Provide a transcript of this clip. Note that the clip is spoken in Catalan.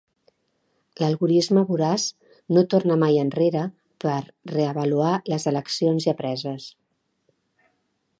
L'algorisme voraç no torna mai enrere per reavaluar les eleccions ja preses.